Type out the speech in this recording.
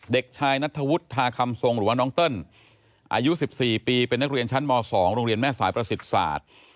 เด็กชายนัทธวุฒิทาคำทรงหรือว่าน้องเติ้ลอายุ๑๔ปีเป็นนักเรียนชั้นม๒โรงเรียนแม่สายประสิทธิ์ศาสตร์